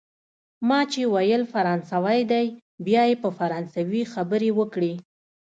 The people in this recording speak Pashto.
ما چي ویل فرانسوی دی، بیا یې په فرانسوي خبرې وکړې.